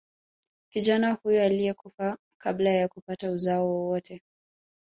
Kijana huyo aliyekufa kabla ya kupata uzao wowote